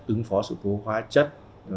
ứng phó sự cố hóa chất